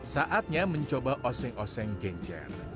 saatnya mencoba oseng oseng genjer